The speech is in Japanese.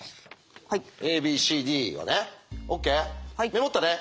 メモったね？